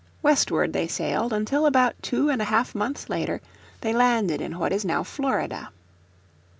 Westward they sailed until about two and a half months later they landed in what is now Florida.